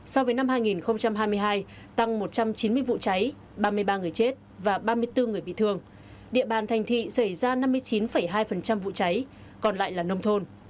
so với năm hai nghìn hai mươi hai tăng một trăm chín mươi vụ cháy ba mươi ba người chết và ba mươi bốn người bị thương địa bàn thành thị xảy ra năm mươi chín hai vụ cháy còn lại là nông thôn